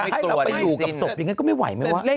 ให้เราไปอยู่กับศพอย่างนั้นก็ไม่ไหวไหมวะ